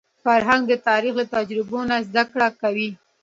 فرهنګ د تاریخ له تجربو نه زده کړه کوي.